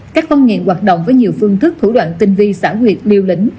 các con nghiện hoạt động với nhiều phương thức thủ đoạn tinh vi xã huyệt liêu lĩnh